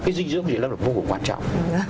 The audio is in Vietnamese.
cái dinh dưỡng của chị lâm là vô cùng quan trọng